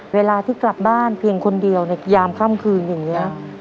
เวลาที่กลับบ้านเพียงคนเดียวในยามค่ำคืนอย่างนี้